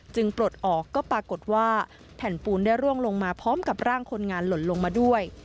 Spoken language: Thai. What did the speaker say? ปลดออกก็ปรากฏว่าแผ่นปูนได้ร่วงลงมาพร้อมกับร่างคนงานหล่นลงมาด้วย